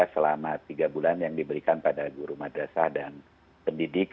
selama tiga bulan yang diberikan pada guru madrasah dan pendidik